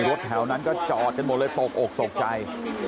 รถแถวนั้นก็จอดกันหมดเลยตกอกตกใจ